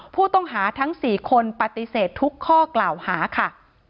ผู้ต้องหาทั้ง๔คนปฏิเสธทุกข้อกล่าวหาค่ะ